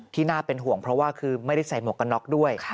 น่าเป็นห่วงเพราะว่าคือไม่ได้ใส่หมวกกันน็อกด้วย